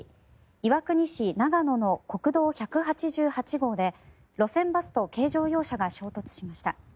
岩国市長野の国道１８８号で路線バスと軽乗用車が衝突しました。